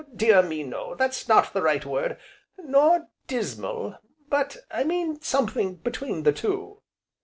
dear me, no, that's not the right word, nor dismal, but I mean something between the two."